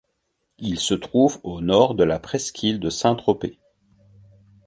Il se trouve au nord de la presqu'île de Saint-Tropez.